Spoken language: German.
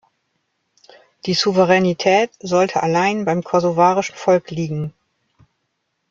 Die Souveränität sollte allein beim kosovarischen Volk liegen.